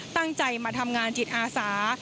ตั้งใจมาทำงานจิตอาสา